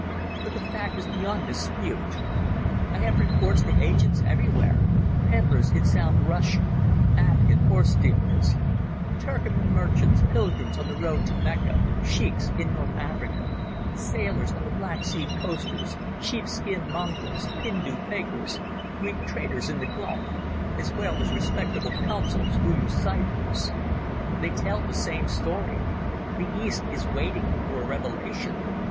But the fact is beyond dispute. I have reports from agents everywhere—pedlars in South Russia, Afghan horse dealers, Turcoman merchants, pilgrims on the road to Mecca, sheikhs in North Africa, sailors on the Black Sea coasters, sheep skinned Mongols, Hindu fakirs, Greek traders in the Gulf, as well as respectable Consuls who use cyphers. They tell the same story. The East is waiting for a revelation.